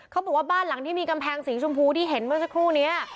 เขาบอกว่าบ้านหลังที่มีกำแพงสีชมพูที่เห็นเมื่อสักครู่นี้